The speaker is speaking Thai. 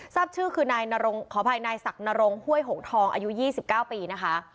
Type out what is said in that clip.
ทรัพย์ชื่อคือนายสักนรงห้วยหงทองอายุ๒๙ปีนะคะ